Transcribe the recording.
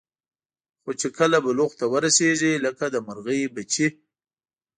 خو چې کله بلوغ ته ورسېږي لکه د مرغۍ بچي.